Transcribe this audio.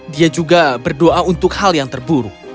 dia juga berdoa untuk hal yang terburuk